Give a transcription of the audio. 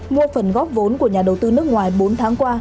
mua phần góp vốn của nhà đầu tư nước ngoài bốn tháng qua